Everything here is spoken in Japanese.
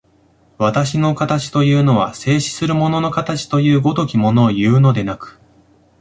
私の形というのは、静止する物の形という如きものをいうのでなく、